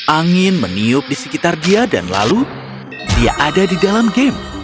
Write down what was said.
angin meniup di sekitar dia dan lalu dia ada di dalam game